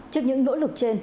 trước những nỗ lực trên